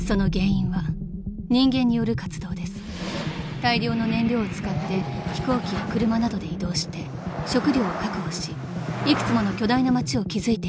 ［大量の燃料を使って飛行機や車などで移動して食料を確保し幾つもの巨大な町を築いていく］